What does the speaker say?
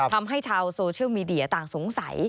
ทำให้ชาวโซเชียลมีเดียต่างสงสัย